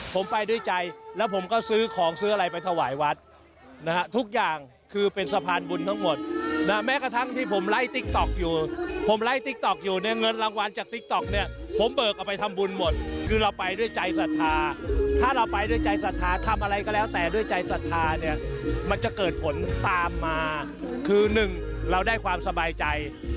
ผมไปด้วยใจแล้วผมก็ซื้อของซื้ออะไรไปถวายวัดนะฮะทุกอย่างคือเป็นสะพานบุญทั้งหมดนะแม้กระทั่งที่ผมไล่ติ๊กต๊อกอยู่ผมไล่ติ๊กต๊อกอยู่เนี่ยเงินรางวัลจากติ๊กต๊อกเนี่ยผมเบิกเอาไปทำบุญหมดคือเราไปด้วยใจศรัทธาถ้าเราไปด้วยใจศรัทธาทำอะไรก็แล้วแต่ด้วยใจศรัทธาเนี่ยมันจะเกิดผลตามมาคือหนึ่งเราได้ความสบายใจ